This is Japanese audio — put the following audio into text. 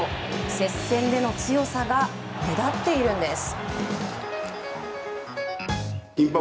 接戦での強さが目立っているんです。